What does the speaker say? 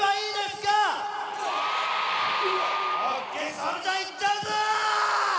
そんじゃあいっちゃうぞ！